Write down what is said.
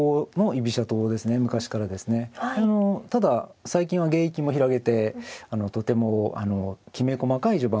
ただ最近は芸域も広げてとてもきめ細かい序盤もね